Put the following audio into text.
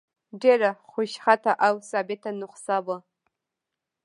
ډېره خوشخطه او ثابته نسخه وه.